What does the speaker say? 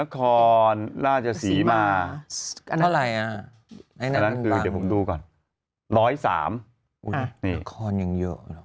นครราชสีมาร์เท่าไหร่อ่ะอันนั้นคือเดี๋ยวผมดูก่อนร้อยสามอุ๊ยนครยังเยอะ